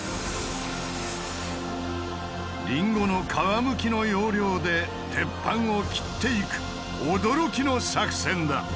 リンゴの皮むきの要領で鉄板を切っていく驚きの作戦だ！